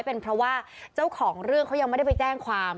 เป็นเพราะว่าเจ้าของเรื่องเขายังไม่ได้ไปแจ้งความ